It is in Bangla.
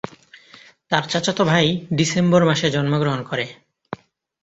তার চাচাতো ভাই ডিসেম্বর মাসে জন্মগ্রহণ করে।